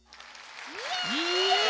イエイ！